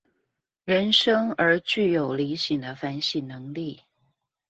人生而具有理性的反省能力